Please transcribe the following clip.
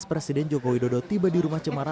presiden jokowi dodo tiba di rumah cemara